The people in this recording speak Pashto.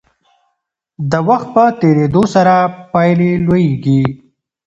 د وخت په تیریدو سره پایلې لویېږي.